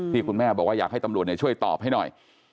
คุณแม่บอกว่าอยากให้ตำรวจช่วยตอบให้หน่อย